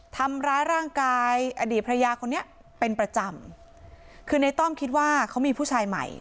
ทำร้ายร่างกายอดีตภรรยาคนนี้เป็นประจำคือในต้อมคิดว่าเขามีผู้ชายใหม่